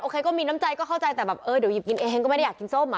ใครก็มีน้ำใจก็เข้าใจแต่แบบเออเดี๋ยวหยิบกินเองก็ไม่ได้อยากกินส้มอ่ะ